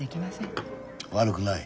悪くない。